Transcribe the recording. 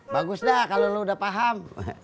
bagus dah kalau lo udah paham